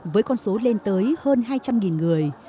với con số lên tới hơn hai trăm linh người